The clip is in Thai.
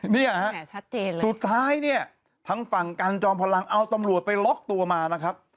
เนี่ยฮะชัดเจนเลยสุดท้ายเนี่ยทางฝั่งกันจอมพลังเอาตำรวจไปล็อกตัวมานะครับ